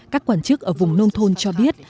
các quan chức ở vùng nông thôn cho biết